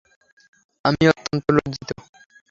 আমি অত্যন্ত লজ্জিত।